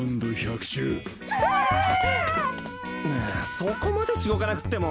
そこまでしごかなくっても。